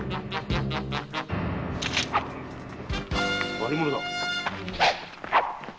何者だ。